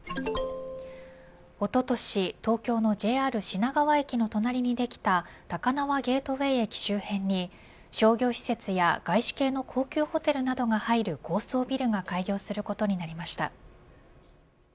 おととし東京のＪＲ品川駅の隣にできた高輪ゲートウェイ駅周辺に商業施設や外資系の高級ホテルなどが入る高層ビルが開業することになりました。